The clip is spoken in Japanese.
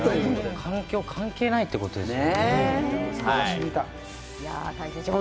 環境、関係ないってことですね。